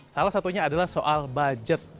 salah satunya adalah soal budget